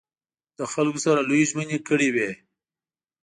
له خلکو سره لویې ژمنې کړې وې.